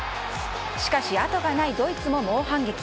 しかし、後がないドイツも猛反撃。